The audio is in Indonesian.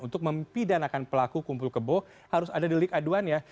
untuk mempidanakan pelaku kumpul kebo harus ada di lik aduan ya